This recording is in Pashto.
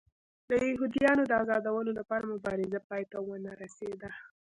د یهودیانو د ازادولو لپاره مبارزه پای ته ونه رسېده.